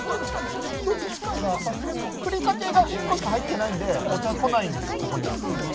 どっちかが当たってて、ふりかけが１個しかないのでお茶来ないんですよ、ここに。